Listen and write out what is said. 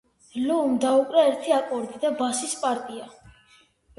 ლოუმ დაუკრა ერთი აკორდი და ბასის პარტია.